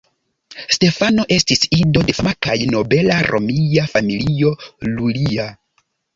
Stefano estis ido de fama kaj nobela romia familio "Iulia".